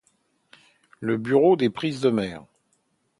Le bureau des prises de mer.